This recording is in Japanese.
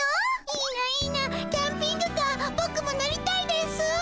いいないいなキャンピングカーボクも乗りたいですぅ。